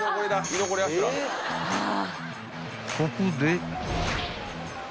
［ここで］